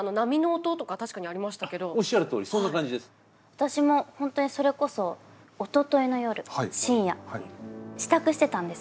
私も本当にそれこそおとといの夜深夜支度してたんです。